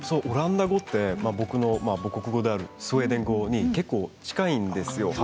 オランダ語は僕の母国語であるスウェーデン語に結構近いですよ。